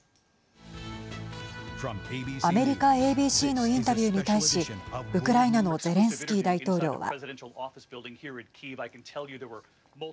アメリカＡＢＣのインタビューに対しウクライナのゼレンスキー大統領は。